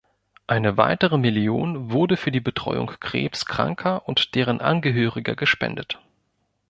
Eine weitere Million wurde für die Betreuung Krebskranker und deren Angehöriger gespendet.